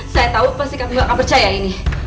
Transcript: saya tau pasti kamu gak akan percaya ini